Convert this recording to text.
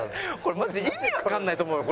マジで意味わかんないと思うよ